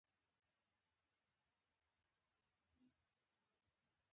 • باران د هوا تازه والي ته وده ورکوي.